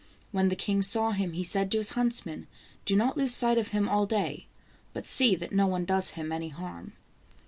When the king saw him, he said to his huntsmen :" Do not lose sight of him all day, but see that no one does him any harm."